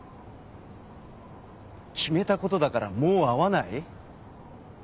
決めたことだからもう会わない？